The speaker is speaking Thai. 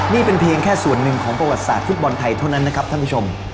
นี่เป็นเพียงแค่ส่วนหนึ่งของประวัติศาสตฟุตบอลไทยเท่านั้นนะครับท่านผู้ชม